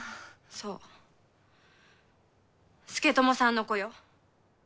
そう佐智さんの子よ。